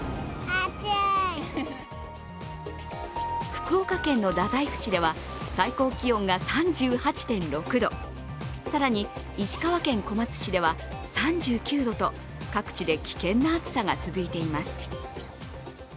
福岡県の太宰府市では最高気温が３８．６度、更に石川県小松市では３９度と各地で危険な暑さが続いています。